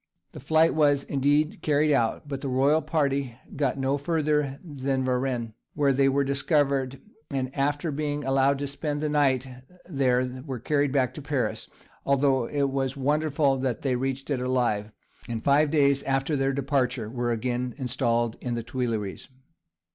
The flight was, indeed, carried out, but the royal party got no further than Varennes, where they were discovered, and after being allowed to spend the night there were carried back to Paris (although it was wonderful that they reached it alive), and five days after their departure were again installed in the Tuileries.